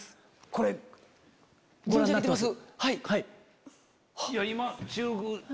これご覧になってます？